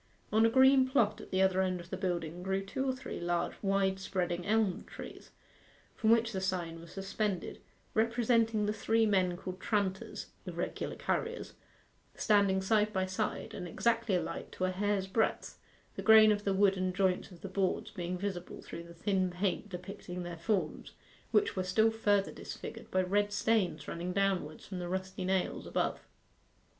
On a green plot at the other end of the building grew two or three large, wide spreading elm trees, from which the sign was suspended representing the three men called tranters (irregular carriers), standing side by side, and exactly alike to a hair's breadth, the grain of the wood and joints of the boards being visible through the thin paint depicting their forms, which were still further disfigured by red stains running downwards from the rusty nails above.